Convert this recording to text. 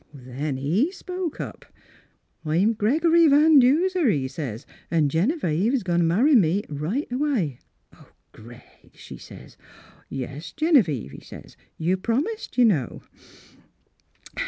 " Then lie spoke up. "' I'm Gregory Van Duser," he sez, ' an' Genevieve is going to marry me right away.' "' Oh, Greg !' she sez. "' Yes, Genevieve,' he sez. ' You've promised, you know.'